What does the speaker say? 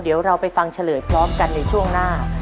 เดี๋ยวเราไปฟังเฉลยพร้อมกันในช่วงหน้า